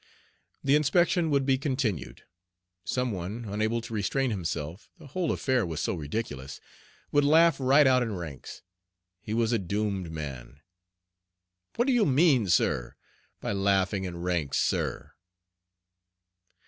The inspection would be continued. Some one, unable to restrain himself the whole affair was so ridiculous would laugh right out in ranks. He was a doomed man. "What do you mean, sir, by laughing in ranks, sir?"